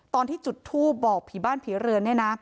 ตอนที่จุดทูปบอกผีบ้านผีเรือนเนี่ยนะ